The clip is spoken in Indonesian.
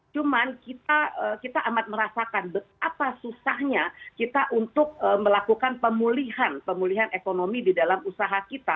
cuman kita amat merasakan betapa susahnya kita untuk melakukan pemulihan pemulihan ekonomi di dalam usaha kita